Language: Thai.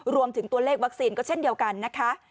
รวมถึงตัวเลขวัคซีนก็เช่นเดียวกันนะคะ